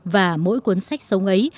và mỗi cuốn sách sống ấy